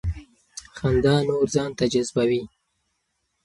خندا نور ځان ته جذبوي.